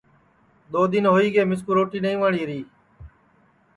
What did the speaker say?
دؔو دؔن ہوئی گے مِسکُو روٹی نائی وٹؔیری